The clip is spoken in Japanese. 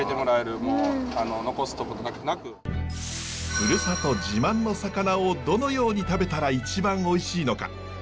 ふるさと自慢の魚をどのように食べたら一番おいしいのか。